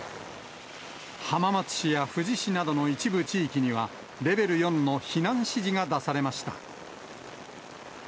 浜松市や富士市などの一部地域には、レベル４の避難指示が出されました。